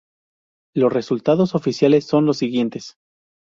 Los resultados oficiales son los siguientes.